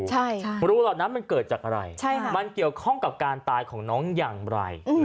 รูเหล่านั้นมันเกิดจากอะไรมันเกี่ยวข้องกับการตายของน้องอย่างไร